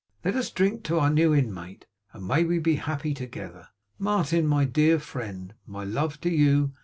Let us drink to our new inmate, and may we be happy together! Martin, my dear friend, my love to you!